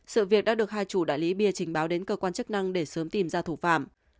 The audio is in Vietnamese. sự việc đã được hai chủ đại lý bia trình báo đến cơ quan chức năng để sớm tìm ra thủ phạm